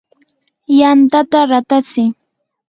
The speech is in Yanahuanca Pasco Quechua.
yantata ratatsi.